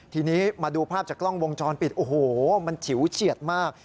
ทีนี้มาดูภาพจากกล้องวงจรปิดโอ้โหมันฉิวเฉียดมาก